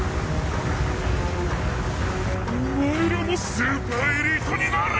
オマエらもスーパーエリートになれ！